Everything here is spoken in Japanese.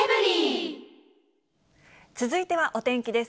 続いてはお天気です。